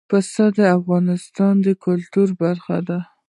پسه د افغانانو د ګټورتیا برخه ده.